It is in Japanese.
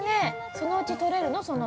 そのうち取れるの？